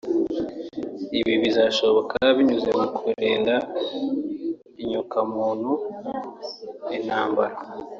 Ibi bizashoboka binyuze mu kurinda inyoko-muntu intambara